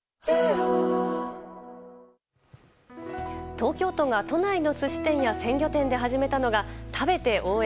東京都が都内の寿司店や鮮魚店で始めたのが食べて応援！